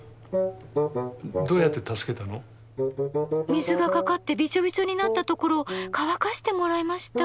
水がかかってびちょびちょになったところを乾かしてもらいました。